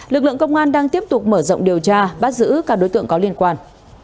lực lượng công an đang tiếp tục mở rộng điều tra bắt giữ các đối tượng có liên quan